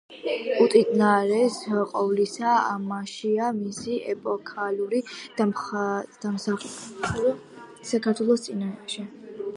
უწინარეს ყოვლისა, ამაშია მისი ეპოქალური დამსახურება საქართველოს წინაშე.